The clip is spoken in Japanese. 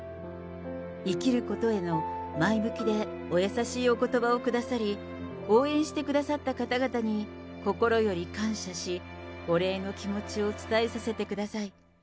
生きることへの前向きでお優しいおことばをくださり、応援してくださった方々に心より感謝し、お礼の気持ちを伝えさせてください。